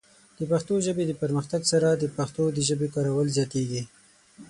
د پښتو ژبې د پرمختګ سره، د پښتنو د ژبې کارول زیاتېږي.